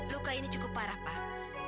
luka ini cukup parah pak